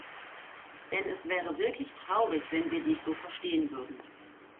Denn es wäre wirklich traurig, wenn wir dies so verstehen würden.